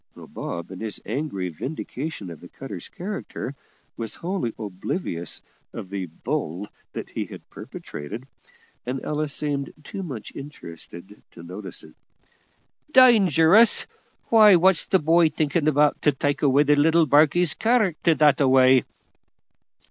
(Bob, in his angry vindication of the cutter's character, was wholly oblivious of the "bull" he had perpetrated, and Ella seemed too much interested to notice it.) "Dangerous! why, what's the boy thinking about, to take away the little barkie's character that a way?"